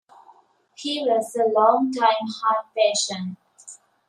He was a long time heart patient.